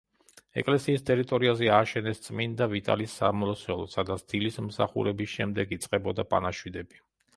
ეკლესიის ტერიტორიაზე ააშენეს წმინდა ვიტალის სამლოცველო, სადაც დილის მსახურების შემდეგ იწყებოდა პანაშვიდები.